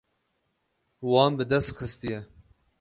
Wan bi dest xistiye.